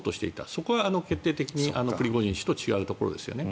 それが決定的にプリゴジンと違うところですよね。